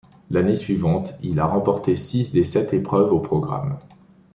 L'année suivante, il a remporté six des sept épreuves au programme.